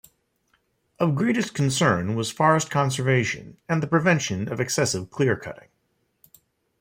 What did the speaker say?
Of greatest concern was forest conservation and the prevention of excessive clear cutting.